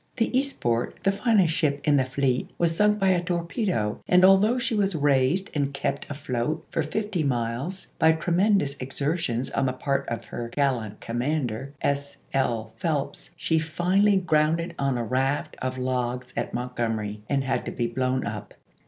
The Eastport, the finest ship in the fleet, was sunk by a torpedo, and although she was raised and kept afloat for fifty miles by tremendous exertions on the part of her gallant commander, S. L. Phelps, she finally grounded on a raft of logs at Montgomery and had to be blown up.